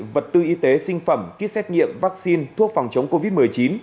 vật tư y tế sinh phẩm kýt xét nghiệm vaccine thuốc phòng chống covid một mươi chín